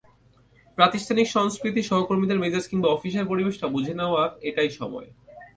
প্রাতিষ্ঠানিক সংস্কৃতি, সহকর্মীদের মেজাজ কিংবা অফিসের পরিবেশটা বুঝে নেওয়ার এটাই সময়।